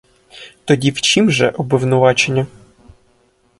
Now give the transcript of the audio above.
Тоді в чім же обвинувачення?